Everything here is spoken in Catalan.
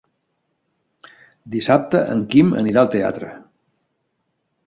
Dissabte en Quim anirà al teatre.